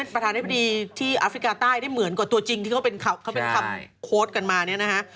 ประธานธิบดีที่แอฟริกาใต้ได้เหมือนกว่าตัวจริงที่เขาเป็นทำโค้ดกันมาเนี่ยนะฮะ